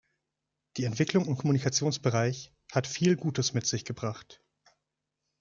Die Entwicklung im Kommunikationsbereich hat viel Gutes mit sich gebracht.